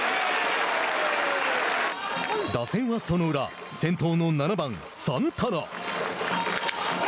打線はその裏先頭の７番サンタナ。